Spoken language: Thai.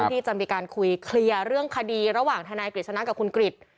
ที่จะมีการคุยเคลียร์เรื่องคดีระหว่างทนายกฤษณะกับคุณกริจ